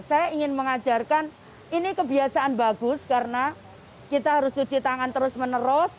saya ingin mengajarkan ini kebiasaan bagus karena kita harus cuci tangan terus menerus